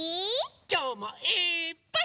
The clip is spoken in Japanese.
きょうもいっぱい。